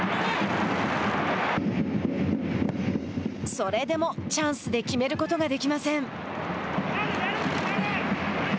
それでも、チャンスで決めることができません。